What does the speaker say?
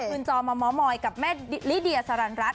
คืนจอมาม้อมอยกับแม่ลิเดียสารันรัฐ